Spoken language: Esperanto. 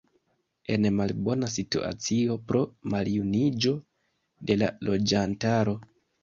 En malbona situacio pro maljuniĝo de la loĝantaro.